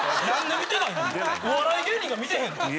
お笑い芸人が見てへんの？